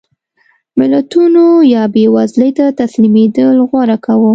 ملتونو یا بېوزلۍ ته تسلیمېدل غوره کاوه.